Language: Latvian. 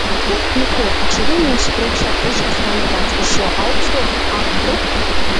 Nu ko, šodien mūsu priekšā ir trešais kandidāts uz šo augsto amatu.